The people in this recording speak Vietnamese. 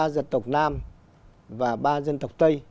ba dân tộc nam và ba dân tộc tây